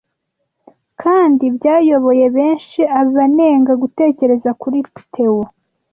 kandi byayoboye benshi abanenga gutekereza kuri tewo